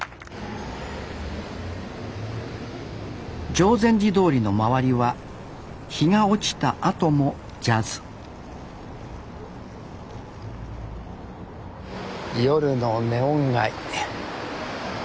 定禅寺通の周りは日が落ちたあともジャズ夜のネオン街。